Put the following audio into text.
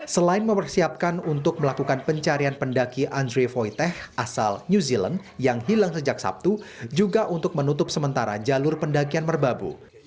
selain mempersiapkan untuk melakukan pencarian pendaki andre voiteh asal new zealand yang hilang sejak sabtu juga untuk menutup sementara jalur pendakian merbabu